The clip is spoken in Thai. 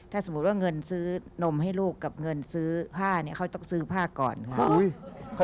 ถ้าสมมุติว่าเงินซื้อนมให้ลูกกับเงินซื้อผ้าเนี่ยเขาต้องซื้อผ้าก่อนค่ะ